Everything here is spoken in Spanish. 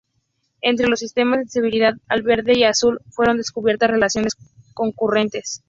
Entre los sistemas de sensibilidad al verde y azul fueron descubiertas relaciones concurrentes.